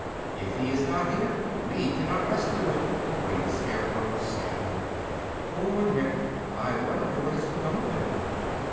"If he is not here, we cannot rescue him," agreed the Scarecrow, sadly. "Poor Nick! I wonder what has become of him."